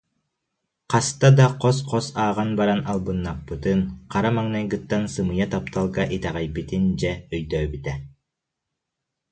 Хаста да хос-хос ааҕан баран албыннаппытын, хара маҥнайгыттан сымыйа тапталга итэҕэйбитин, дьэ, өйдөөбүтэ